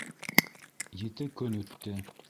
Ете көн үтте.